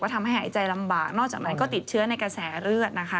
ทำให้หายใจลำบากนอกจากนั้นก็ติดเชื้อในกระแสเลือดนะคะ